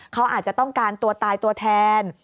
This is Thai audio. เขาอาจจะต้องการตัวตายตัวแทน